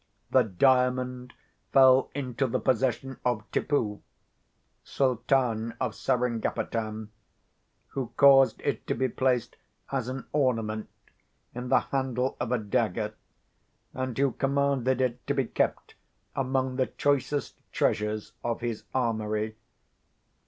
The Diamond fell into the possession of Tippoo, Sultan of Seringapatam, who caused it to be placed as an ornament in the handle of a dagger, and who commanded it to be kept among the choicest treasures of his armoury.